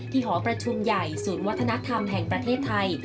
หอประชุมใหญ่ศูนย์วัฒนธรรมแห่งประเทศไทย